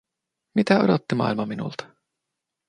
Mitä odotti maailma minulta?